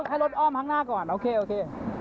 ให้รถอ้อมข้างหน้าก่อนโอเคโอเค